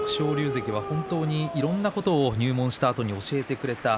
関は、本当にいろんなことを入門したあとに教えてくれた。